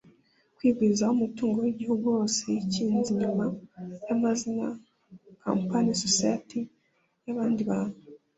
Kwigwizaho umutungo w’igihugu wose yikinze inyuma y’amazina n’ama-campanies/societes y’abandi bantu